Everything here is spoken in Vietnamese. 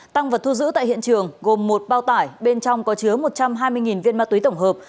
tăng vật thu giữ tại hiện trường gồm một bao tải bên trong có chứa một trăm hai mươi viên ma túy tổng hợp